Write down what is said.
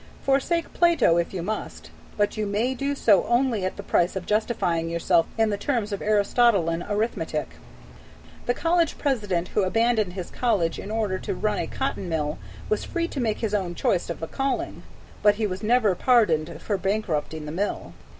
Forsake Plato if you must, but you may do so only at the price of justifying yourself in the terms of Aristotelian arithmetic. The college president who abandoned his college in order to run a cotton mill was free to make his own choice of a calling; but he was never pardoned for bankrupting the mill.